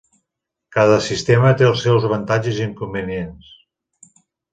Cada sistema té els seus avantatges i inconvenients.